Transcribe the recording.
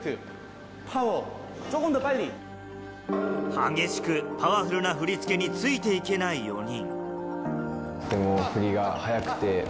激しくパワフルな振り付けに、ついて行けない４人。